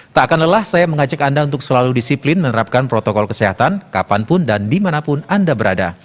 tak akan lelah saya mengajak anda untuk selalu disiplin menerapkan protokol kesehatan kapanpun dan dimanapun anda berada